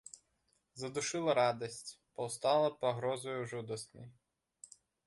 Задушыла радасць, паўстала пагрозаю жудаснай.